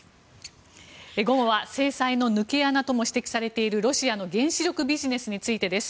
午後は制裁の抜け穴とも指摘されているロシアの原子力ビジネスについてです。